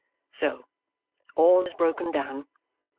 So! All is broken down.